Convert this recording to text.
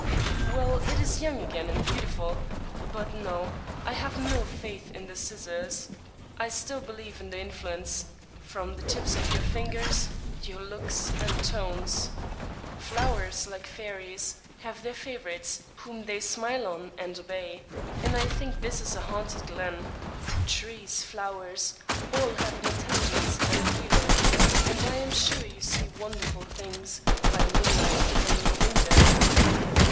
'Well, it is young again and beautiful; but no I have no faith in the scissors; I still believe in the influence from the tips of your fingers, your looks, and tones. Flowers, like fairies, have their favourites, whom they smile on and obey; and I think this is a haunted glen trees, flowers, all have an intelligence and a feeling and I am sure you see wonderful things, by moonlight, from your window.'